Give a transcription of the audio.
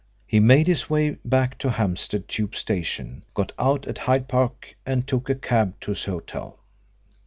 He made his way back to Hampstead Tube station, got out at Hyde Park and took a cab to his hotel.